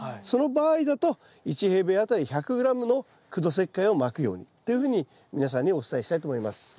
その場合だと１平米あたり１００ｇの苦土石灰をまくようにっていうふうに皆さんにお伝えしたいと思います。